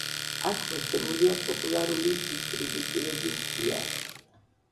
აქ მოცემულია პოპულარული დისტრიბუტივების სია.